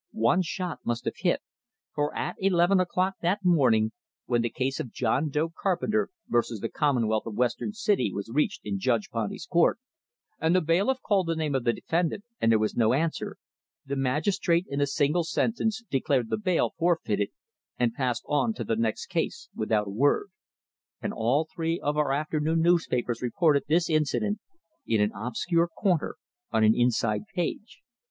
One shot must have hit, for at eleven o'clock that morning, when the case of John Doe Carpenter versus the Commonwealth of Western City was reached in Judge Ponty's court, and the bailiff called the name of the defendant and there was no answer, the magistrate in a single sentence declared the bail forfeited, and passed on to the next case without a word. And all three of our afternoon newspapers reported this incident in an obscure corner on an inside page.